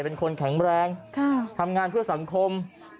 เป็นคนแข็งแรงทำงานเพื่อสังคม